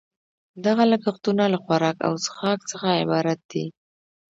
دغه لګښتونه له خوراک او څښاک څخه عبارت دي